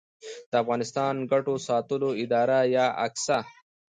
د افغانستان ګټو ساتلو اداره یا اګسا